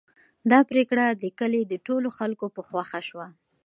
دا پرېکړه د کلي د ټولو خلکو په خوښه شوه.